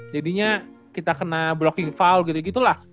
jadinya kita kena blocking file gitu gitu lah